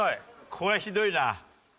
これはひどいな。